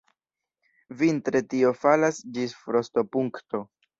Vintre tio falas ĝis frostopunkto.